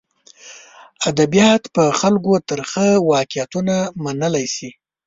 ادبیات په خلکو ترخه واقعیتونه منلی شي.